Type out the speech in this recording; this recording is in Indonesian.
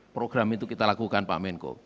program itu kita lakukan pak menko